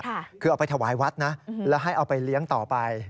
คือเอาไปถวายวัดนะแล้วให้เอาไปเลี้ยงต่อไป